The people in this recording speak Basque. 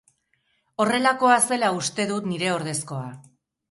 Horrelakoa zela uste dut nire ordezkoa.